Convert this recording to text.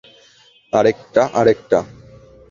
আরেকটা, আরেকটা!